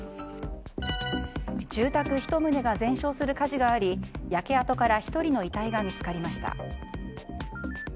住宅１棟が全焼する火事があり焼け跡から１人の遺体が見つかりました。